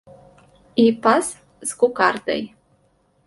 І пас з кукардай!